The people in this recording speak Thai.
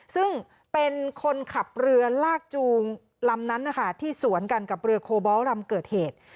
ซึ่งเป็นคนขับเรือลากจูงลำนั้นนะคะที่สวนกันกับเรือโคบอลลำเกิดเหตุ